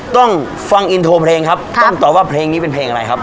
ต้องฟังอินโทรเพลงครับต้องตอบว่าเพลงนี้เป็นเพลงอะไรครับ